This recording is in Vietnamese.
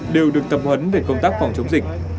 đều được tập huấn về công tác phòng chống dịch